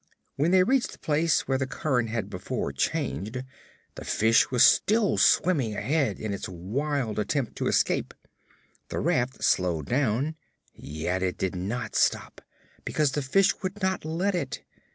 When they reached the place where the current had before changed, the fish was still swimming ahead in its wild attempt to escape. The raft slowed down, yet it did not stop, because the fish would not let it.